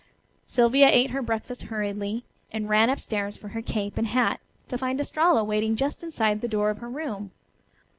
Sylvia ate her breakfast hurriedly, and ran upstairs for her cape and hat, to find Estralla waiting just inside the door of her room.